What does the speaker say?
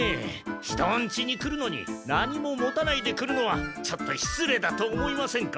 人んちに来るのに何も持たないで来るのはちょっとしつ礼だと思いませんか？